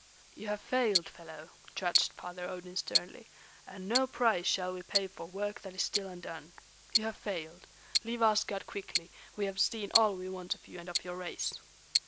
"You have failed, fellow," judged Father Odin sternly, "and no price shall we pay for work that is still undone. You have failed. Leave Asgard quickly; we have seen all we want of you and of your race."